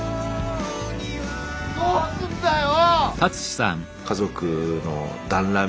どうすんだよぉ⁉